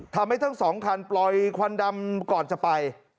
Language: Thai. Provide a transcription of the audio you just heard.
ทั้งสองคันปล่อยควันดำก่อนจะไป